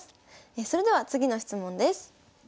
それでは次の質問です。